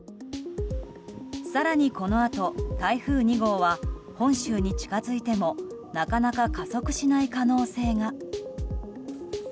更に、このあと台風２号は本州に近づいてもなかなか加速しない可能性が。